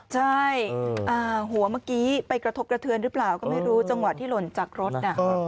ใช่หัวเมื่อกี้ไปกระทบกระเทือนหรือเปล่าก็ไม่รู้จังหวะที่หล่นจากรถน่ะ